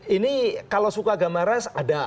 ini kalau suku agama ras ada